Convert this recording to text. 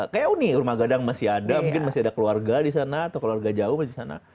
kayak uni rumah gadang masih ada mungkin masih ada keluarga di sana atau keluarga jauh masih sana